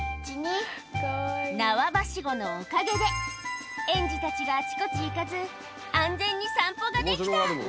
縄ばしごのおかげで、園児たちがあちこち行かず、安全に散歩ができた。